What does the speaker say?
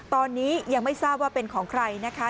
ตอนนี้ยังไม่ทราบว่าเป็นของใครนะคะ